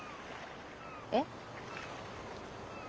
えっ？